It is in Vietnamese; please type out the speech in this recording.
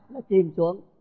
nó chìm xuống